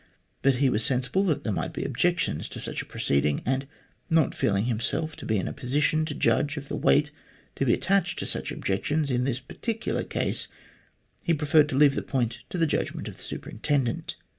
But he was sensible that there might be objections to such a proceeding, and not feeling himself to be in a position to judge of the weight to be attached to such objections in this particular case, he preferred to leave the point to the judgment of the Superintendent.